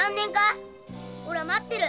おらぁ待ってる！